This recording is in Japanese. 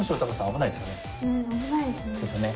危ないですよね。